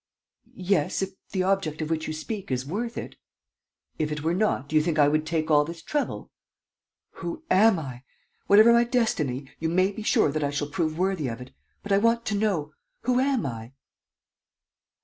"Yes, if the object of which you speak is worth it." "If it were not, do you think I would take all this trouble?" "Who am I? Whatever my destiny, you may be sure that I shall prove worthy of it. But I want to know. Who am I?"